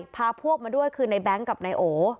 พาพวกมาด้วยคือในแบงค์กับนายโอ